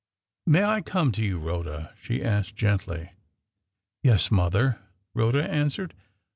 "May I come to you, Rhoda?" she asked, gently. "Yes, mother," Rhoda answered.